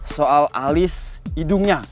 soal alis hidungnya